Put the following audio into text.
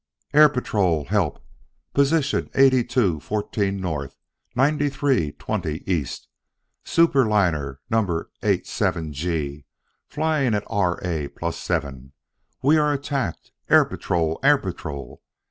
"Air Patrol! Help! Position eighty two fourteen north, ninety three twenty east Superliner Number 87 G, flying at R. A. plus seven. We are attacked! Air Patrol! Air Patrol!